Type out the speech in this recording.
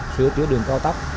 sửa chữa đường cao tốc